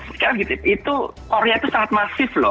sekarang itu korea itu sangat masif loh